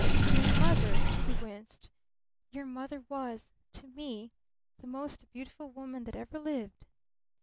"Your mother," he winced. "Your mother was to me the most beautiful woman that ever lived!